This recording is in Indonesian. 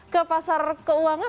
ke pasar keuangan